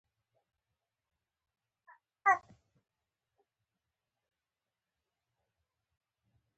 تر څو خاورې او شګه له اندازې ډېره وینه وڅښي.